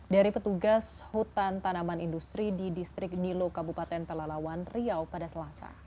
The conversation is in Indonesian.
dari petugas hutan tanaman industri di distrik nilo kabupaten pelalawan riau pada selasa